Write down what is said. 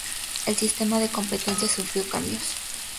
El sistema de competencia sufrió cambios.